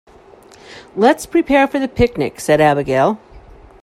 "Let's prepare for the picnic!", said Abigail.